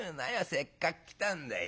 せっかく来たんだい。